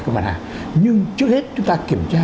của mặt hàng nhưng trước hết chúng ta kiểm tra